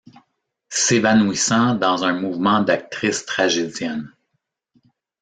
s'évanouissant dans un mouvement d'actrice tragédienne.